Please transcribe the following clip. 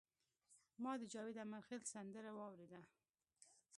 ما د جاوید امیرخیل سندره واوریده.